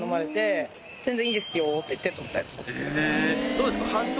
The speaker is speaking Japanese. どうですか？